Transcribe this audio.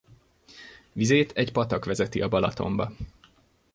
Vizét egy patak vezeti a Balatonba.